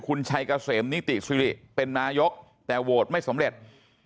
คุณชัยเกษมนิติสิริเป็นนายกแต่โหวตไม่สำเร็จ